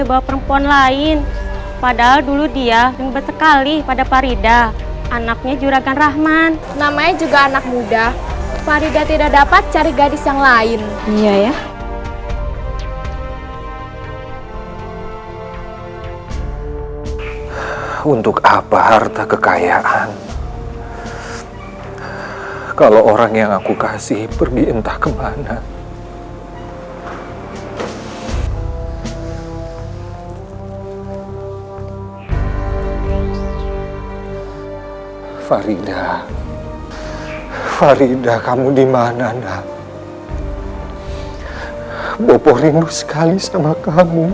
bopo tidak tahu lagi harus mencari kamu kemana nak